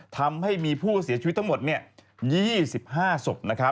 ทำให้มีผู้เสียชีวิตทั้งหมด๒๕ศพ